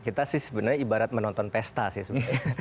kita sih sebenarnya ibarat menonton pesta sih sebenarnya